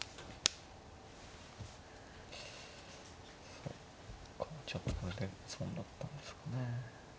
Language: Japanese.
そっかこれで損だったんですかね。